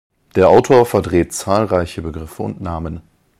Der Autor verdreht zahlreiche Begriffe und Namen.